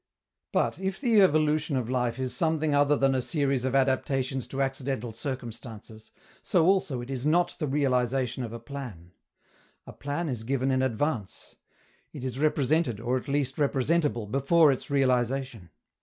But, if the evolution of life is something other than a series of adaptations to accidental circumstances, so also it is not the realization of a plan. A plan is given in advance. It is represented, or at least representable, before its realization.